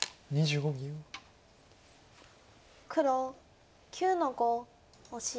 黒９の五オシ。